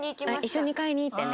一緒に買いに行ってね。